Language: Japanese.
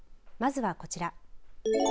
まずはこちら。